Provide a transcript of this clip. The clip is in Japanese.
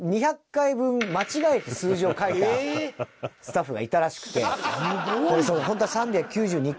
２００回分間違えて数字を書いたスタッフがいたらしくて。